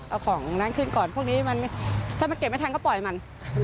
เอาของนั้นขึ้นก่อนพวกนี้มันถ้ามันเก็บไม่ทันก็ปล่อยมัน